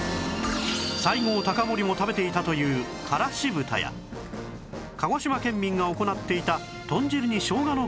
西郷隆盛も食べていたというからし豚や鹿児島県民が行っていた豚汁にしょうがの組み合わせ